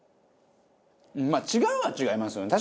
まあ違うは違いますよね